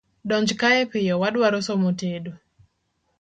Donjkae piyo wadwaro somo tedo.